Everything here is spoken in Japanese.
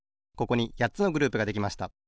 ここにやっつのグループができました。